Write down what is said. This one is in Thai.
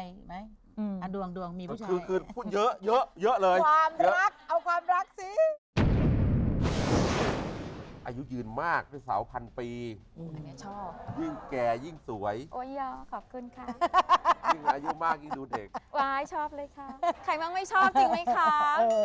ยิ่งอายุมากยิ่งดูเด็กว้ายชอบเลยค่ะใครบ้างไม่ชอบจริงไหมคะ